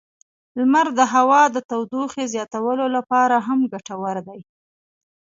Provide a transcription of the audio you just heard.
لمر د هوا د تودوخې زیاتولو لپاره هم ګټور دی.